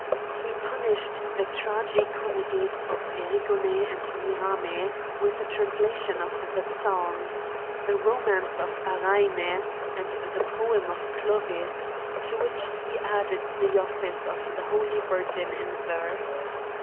He punish ed the tragi comedies of Erigone and Mirame, with a translation of the psalms ; the romance of Araine, and the poem of Clovis, to which he add ed the office ofthe Holy Virgin in verse.